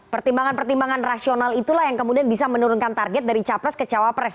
pertimbangan pertimbangan rasional itulah yang kemudian bisa menurunkan target dari capres ke cawapres